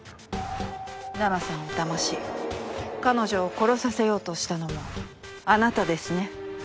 奈々さんを騙し彼女を殺させようとしたのもあなたですね。